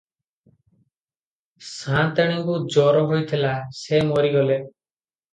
ସାଆନ୍ତାଣୀଙ୍କୁ ଜର ହୋଇଥିଲା, ସେ ମରିଗଲେ ।